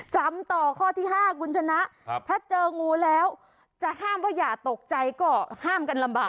จำต่อข้อที่๕คุณชนะถ้าเจองูแล้วจะห้ามว่าอย่าตกใจก็ห้ามกันลำบาก